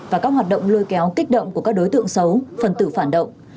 và các hoạt động lôi kéo kích động của các đối tượng xấu phần tử phản động